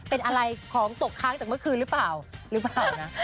เป็นอะไรของตกค่างจากเมื่อคืนหรือเปล่าหรือเปล่านะ